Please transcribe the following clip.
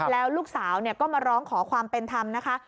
แล้วลูกสาวก็มาร้องขอความเป็นธรรมนะคะ